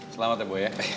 selamat ya boy ya